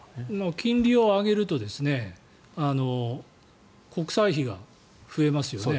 金利を上げると国債費が増えますよね。